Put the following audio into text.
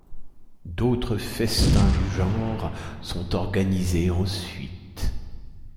D’autres festins du genre sont organisés ensuite.